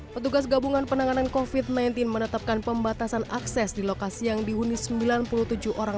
petugas gabungan penanganan kofit sembilan belas menetapkan pembatasan akses di lokasi yang dihuni sembilan puluh tujuh orang